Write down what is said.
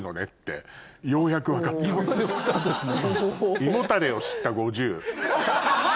胃もたれを知ったんですね。